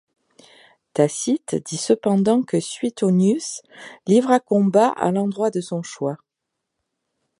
Tacite dit cependant que Suetonius livra combat à l'endroit de son choix.